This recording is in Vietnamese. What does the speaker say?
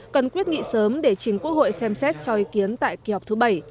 cần quyết nghị sớm để chính quốc hội xem xét cho ý kiến tại kỳ họp thứ bảy